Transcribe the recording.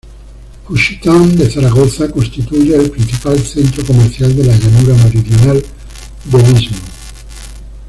Juchitán de Zaragoza constituye el principal centro comercial de la llanura meridional del istmo.